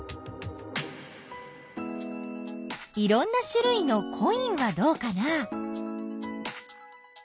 いろんなしゅるいのコインはどうかな？